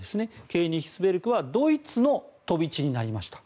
ケーニヒスベルクはドイツの飛び地になりました。